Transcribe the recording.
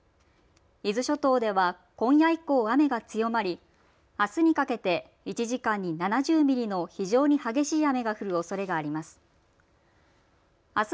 伊豆諸島では今夜以降、雨が強まりあすにかけて１時間に７０ミリの非常に激しい雨が降るおそれがあります。